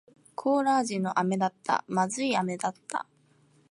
コーラ味の飴だった。不味い飴だった。